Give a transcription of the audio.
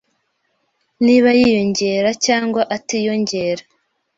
niba yiyongera cyangwa atiyongera.